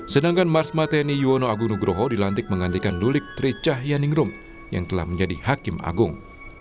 sedangkan marsma tni yuwono agung nugroho dilantik menggantikan lulik tri cahyaningrum yang telah menjadi hakim agung